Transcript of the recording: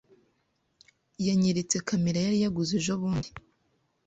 Yanyeretse kamera yari yaguze ejobundi.